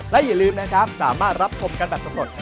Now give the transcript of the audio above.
และอย่าลืมนะครับสามารถรับชมกันแบบสำรวจ